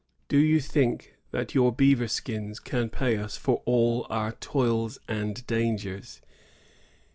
Do you think that your beavernskins can pay us for all our toils and dangers?